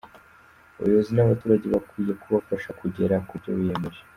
Abayobozi n’abaturage bakwiye kubafasha kugera ku byo biyemeje.